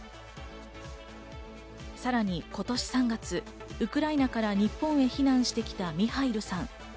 さらに今年３月、ウクライナから日本へ避難してきたミハイルさん。